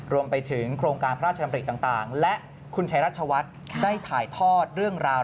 รวมไปถึงโครงการพระราชดำริต่างและคุณชัยรัชวัฒน์ได้ถ่ายทอดเรื่องราว